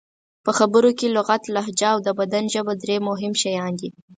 په خبرو کې لغت، لهجه او د بدن ژبه درې مهم شیان دي.